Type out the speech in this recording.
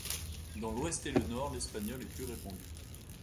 Dans l'ouest et le nord, l'espagnol est plus répandu.